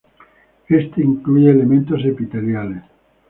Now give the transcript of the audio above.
Este incluye elementos epiteliales.